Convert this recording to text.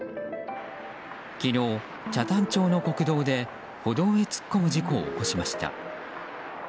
昨日、北谷町の国道で歩道へ突っ込む事故を起こしました。